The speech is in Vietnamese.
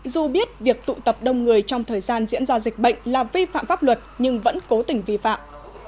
dù biết việc tụ tập đông người trong thời gian diễn ra dịch bệnh là vi phạm pháp luật nhưng vẫn cố tình vi phạm